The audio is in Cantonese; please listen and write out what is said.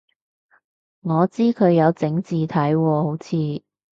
我知佢有整字體喎好似